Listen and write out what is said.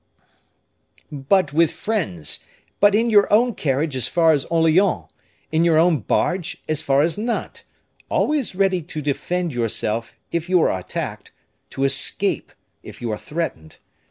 "But with friends; but in your own carriage as far as Orleans; in your own barge as far as Nantes; always ready to defend yourself, if you are attacked; to escape, if you are threatened.